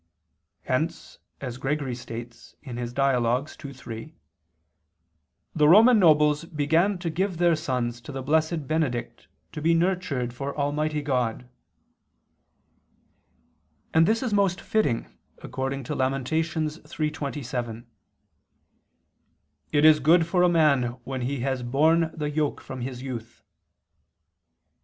Hence, as Gregory states (Dial. ii, 3), "the Roman nobles began to give their sons to the blessed Benedict to be nurtured for Almighty God"; and this is most fitting, according to Lam. 3:27, "It is good for a man when he has borne the yoke from his youth."